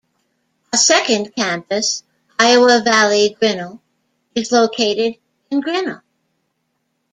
A second campus, Iowa Valley Grinnell, is located in Grinnell.